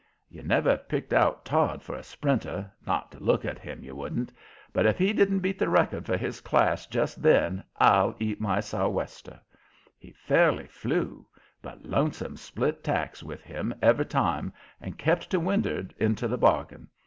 You never'd have picked out Todd for a sprinter not to look at him, you wouldn't but if he didn't beat the record for his class just then I'll eat my sou'wester. He fairly flew, but Lonesome split tacks with him every time, and kept to wind'ard, into the bargain.